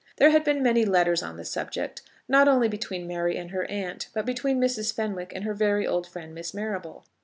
There had been many letters on the subject, not only between Mary and her aunt, but between Mrs. Fenwick and her very old friend Miss Marrable.